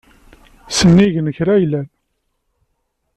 Sennig n kra yellan.